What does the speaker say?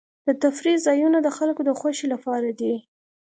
د تفریح ځایونه د خلکو د خوښۍ لپاره دي.